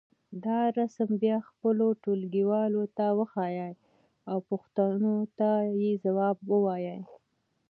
دا رسم بیا خپلو ټولګيوالو ته وښیئ او پوښتنو ته یې ځواب ووایئ.